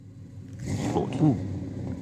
鎖住